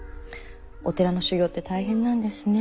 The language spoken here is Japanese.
お寺の修行って大変なんですね。